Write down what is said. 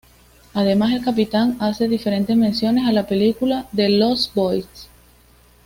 Además el capítulo hace diferentes menciones a la película "The Lost Boys".